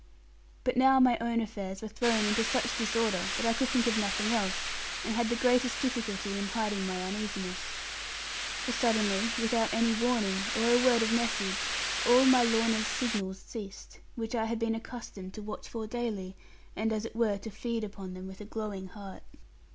But now my own affairs were thrown into such disorder that I could think of nothing else, and had the greatest difficulty in hiding my uneasiness. For suddenly, without any warning, or a word of message, all my Lorna's signals ceased, which I had been accustomed to watch for daily, and as it were to feed upon them, with a glowing heart.